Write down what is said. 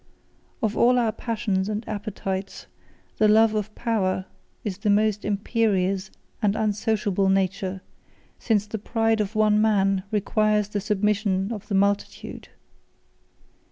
Of all our passions and appetites, the love of power is of the most imperious and unsociable nature, since the pride of one man requires the submission of the multitude.